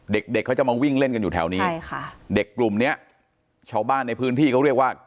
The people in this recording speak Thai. เด็กเด็กเขาจะมาวิ่งเล่นกันอยู่แถวนี้ใช่ค่ะเด็กกลุ่มเนี้ยชาวบ้านในพื้นที่เขาเรียกว่า